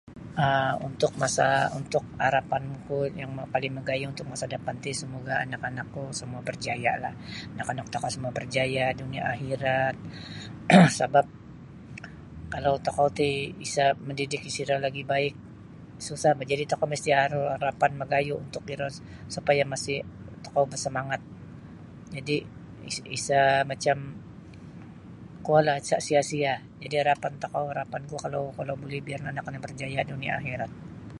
um untuk masa untuk harapanku yang paling magayuh untuk masa dapan ti samoga anak-anakku samua barjaya'lah anak-anak tokou samua barjaya' dunia' akhirat sabap kalau tokou ti isa mandidik disiro lagi baik susah bah jadi' tokou misti' aru harapan magayuh untuk iro supaya masih tokou basamangat jadi' isa' macam kuolah isa' sia-sia jadi harapan tokou harapanku biar nio anak-anak barjaya' dunia' akhirat.